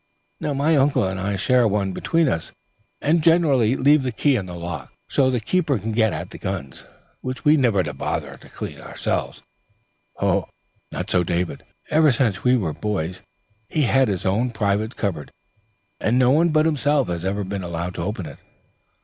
My uncle and I share one between us, and generally leave the key in the lock, so that the keeper can get at the guns, which we never bother to clean ourselves. Not so David. Ever since we were boys he's had his own private cupboard, and no one but himself has ever been allowed to open it.